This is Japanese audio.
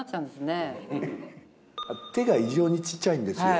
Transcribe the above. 手が異常にちっちゃいんですよ。